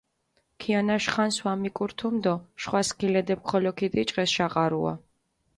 ქიანაშ ხანს ვამიკურთუმჷ დო შხვა სქილედეფქ ხოლო ქიდიჭყეს შაყარუა.